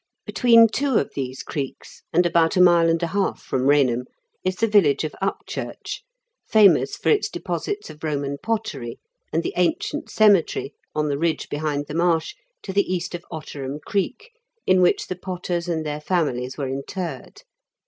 Between two of these creeks, and about a mile and a half from Eainham, is the village of Upchurch, famous for its deposits of Eoman pottery, and the ancient cemetery, on the ridge behind the marsh, to the east of Otterham Creek, in which the potters and their families were interred.